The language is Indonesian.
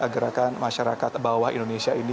gerakan masyarakat bawah indonesia ini